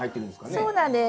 そうなんです。